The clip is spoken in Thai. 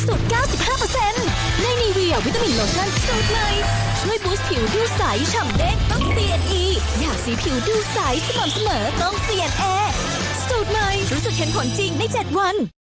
โอำรัสบาจุคราว